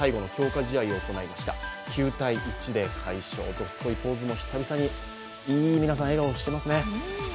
どすこいポーズも久々に、皆さんいい笑顔をしていますね。